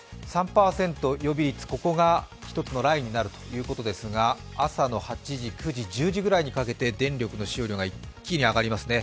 ３％、予備率が一つのラインになるということですが朝の８時、９時１０時ぐらいに電気の使用量が一気に上がりますね。